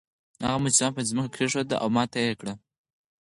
هغه مجسمه په ځمکه کیښوده او ماته یې کړه.